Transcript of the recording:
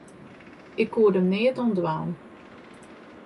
Ik koe der neat oan dwaan.